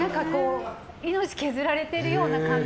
命削られているような感じ。